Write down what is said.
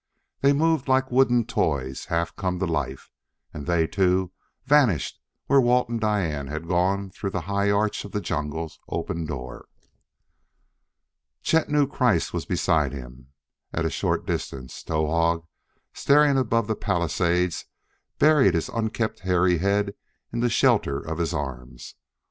They moved like wooden toys half come to life. And they, too, vanished where Walt and Diane had gone through the high arch of the jungle's open door. Chet knew Kreiss was beside him; at a short distance, Towahg, staring above the palisade, buried his unkempt, hairy head in the shelter of his arms.